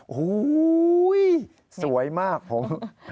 โอ้โหสวยมากผม